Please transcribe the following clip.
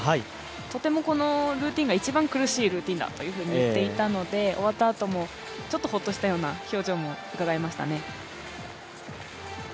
とてもこのルーティンが一番苦しいルーティンだったと言っていましたが終わったあとも、ちょっとほっとしたような表情もうかがえましたね。